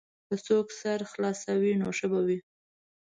که څوک سر خلاصوي نو ښه به وي.